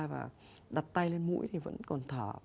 và đặt tay lên mũi thì vẫn còn thở